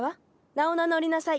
名を名乗りなさい！